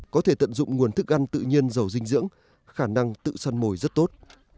có thể tận dụng nguồn thức ăn tự nhiên giàu dinh dưỡng khả năng tự săn mồi rất tốt